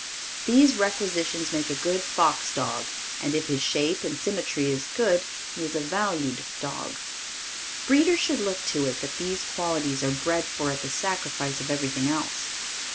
These requisitions make a good fox dog and if his shape and symmetry is good, he is a valued dog. Breeders should look to it that these qualities are bred for at the sacrifice of everything else.